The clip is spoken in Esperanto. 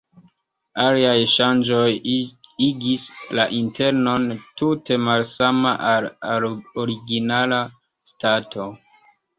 Aliaj ŝanĝoj igis la internon tute malsama al la originala stato.